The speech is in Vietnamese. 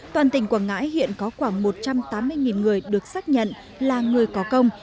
toàn tỉnh quảng ngãi hiện có khoảng một trăm tám mươi người được xác nhận là người có công